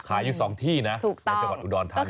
อยู่๒ที่นะในจังหวัดอุดรธานี